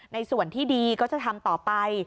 ในส่วนที่ดีก็จะทำต่อไป